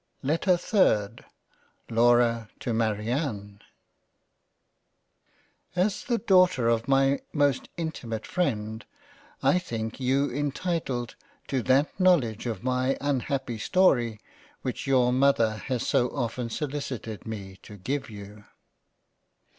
5 £ JANE AUSTEN LETTER 3rd \v^ LAURA to MARIANNE '\ l AS the Daughter of my most intimate freind I think you entitled to that knowledge of my unhappy story, which your Mother has so often solicited me to give you.